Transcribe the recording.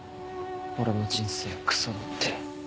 俺の人生クソだって。